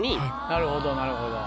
なるほどなるほど。